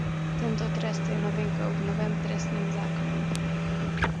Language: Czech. Tento trest je novinkou v novém trestním zákoníku.